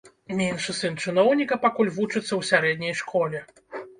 Меншы сын чыноўніка пакуль вучыцца ў сярэдняй школе.